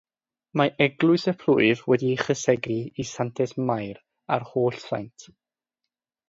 Mae eglwys y plwyf wedi ei chysegru i Santes Mair a'r Holl Saint.